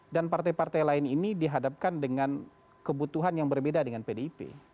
dan partai partai lain ini dihadapkan dengan kebutuhan yang berbeda dengan pdip